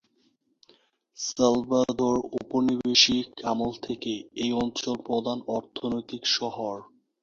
Salvador ঔপনিবেশিক আমল থেকেই এই অঞ্চলের প্রধান অর্থনৈতিক শহর।